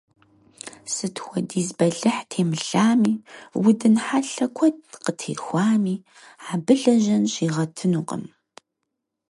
Сыт хуэдиз бэлыхь темылъами, удын хьэлъэ куэд къытехуами, абы лэжьэн щигъэтынукъым.